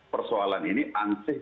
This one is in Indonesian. persoalan ini angsih